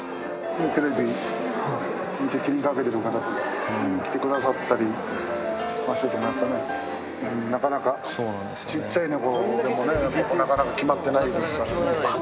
テレビ見て気にかけてくれる方とか、見に来てくださったりしてても、なかなか、ちっちゃい猫でもね、なかなか決まってないですからね。